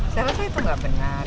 saya rasa itu nggak benar